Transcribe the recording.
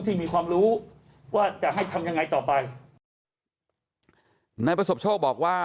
ที่มีความรู้ว่าจะให้ทำยังไงต่อไปนายประสบโชคบอกว่า